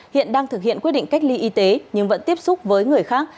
hiện đang thực hiện quyết định cách ly y tế nhưng vẫn tiếp xúc với người khác